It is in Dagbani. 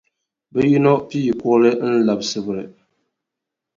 Bɛ yino pii kuɣili n-labi Sibiri.